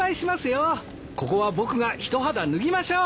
ここは僕がひと肌脱ぎましょう。